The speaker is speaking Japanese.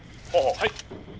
「はい」。